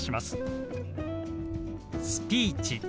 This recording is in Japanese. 「スピーチ」。